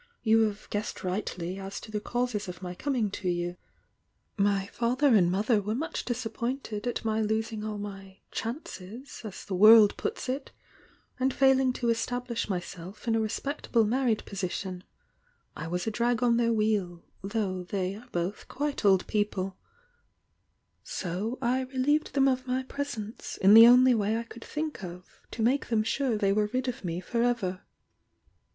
You have guessed rightly as to the causes of my coming to you — ^my father and mother were much disap pointed at my losing all my 'chances' as the world puts it, and failing to establish myself in a respect able married position — I was a drag on their wheel, though they are both quite old people, — so I re lieved them of my presence in the only way i could think of to make them sure they were rid of me for ever.